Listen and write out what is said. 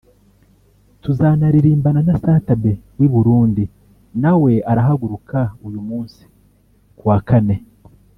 tuzanaririmbana na Sat B w’i Burundi nawe arahaguruka uyu munsi [kuwa Kane]